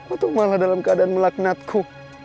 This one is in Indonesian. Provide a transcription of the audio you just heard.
aku malah dalam keadaan melaknatku